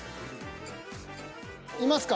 いますか？